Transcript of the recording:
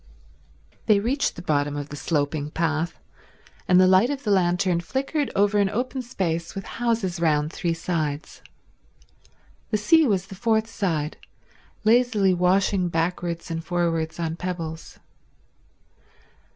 They reached the bottom of the sloping path, and the light of the lantern flickered over an open space with houses round three sides. The sea was the fourth side, lazily washing backwards and forwards on pebbles.